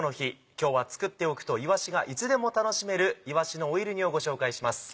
今日は作っておくといわしがいつでも楽しめる「いわしのオイル煮」をご紹介します。